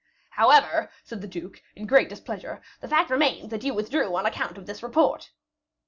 "However," said the duke, in great displeasure, "the fact remains that you withdrew on account of this report."